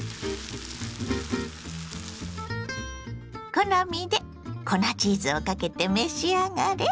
好みで粉チーズをかけて召し上がれ。